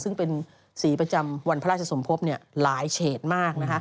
ซึ่งเป็นสีประจำวันพระราชสมภพหลายเฉดมาก